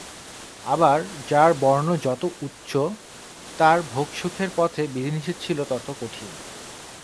আবার যার বর্ণ যত উচ্চ, তার ভোগ-সুখের পথে বিধিনিষেধ ছিল তত কঠিন।